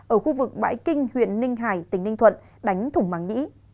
ở khu vực bãi kinh huyện ninh hải tỉnh ninh thuận đánh thủng màng nhĩ